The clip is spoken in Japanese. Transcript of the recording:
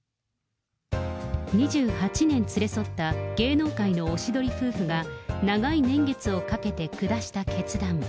２８年連れ添った芸能界のおしどり夫婦が、長い年月をかけて下した決断。